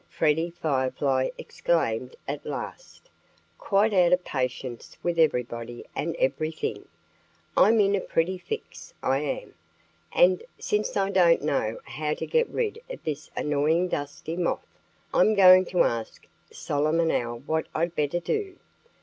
Freddie Firefly exclaimed at last, quite out of patience with everybody and everything. "I'm in a pretty fix, I am! And since I don't know how to get rid of this annoying Dusty Moth, I'm going to ask Solomon Owl what I'd better do."